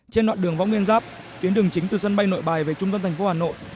trên đoạn đường võng nguyên giáp tuyến đường chính từ sân bay nội bài về trung tâm thành phố hà nội